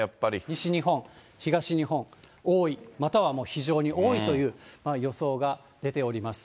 西日本、東日本、多い、または非常に多いという予想が出ております。